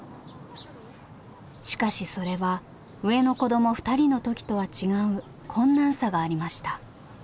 しかしそれは上の子ども２人の時とは違う困難さがありました。